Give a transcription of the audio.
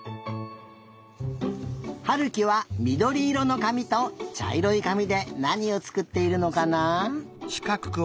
悠貴はみどりいろのかみとちゃいろいかみでなにをつくっているのかな？